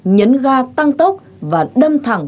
nhấn ga tăng tốc và đâm thẳng